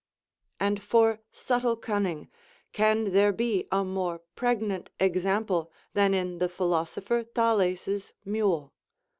And for subtle cunning, can there be a more pregnant example than in the philosopher Thales's mule?